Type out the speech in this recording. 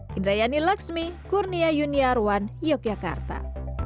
hidrayani laxmi kurnia yuniarwan yogyakarta